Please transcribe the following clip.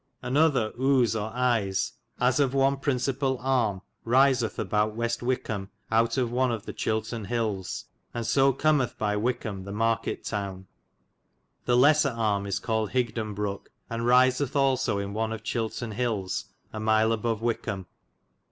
Another Use, or Ise,^ as of one principal arme risith abowt Westewikam owt of one of the Chilterne hilles, and so cum mith by Wikam the market towne. The lesse arme is cawllid Higdenbrooke, and risith also in one of Chilterne hilles a mile above Wikam.